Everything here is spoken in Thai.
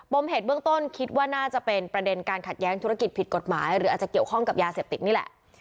มเหตุเบื้องต้นคิดว่าน่าจะเป็นประเด็นการขัดแย้งธุรกิจผิดกฎหมายหรืออาจจะเกี่ยวข้องกับยาเสพติดนี่แหละ